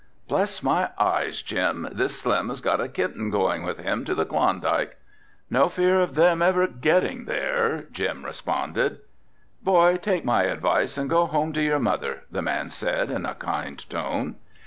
"Bless my eyes, Jim, this slim has got a kitten going with him to the Klondike." "No fear of them ever getting there," Jim responded. "Boy, take my advice and go home to your mother," the man said in a kind tone.